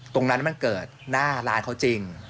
ตรงนั้นมันเกิดหน้าร้านเขาจริง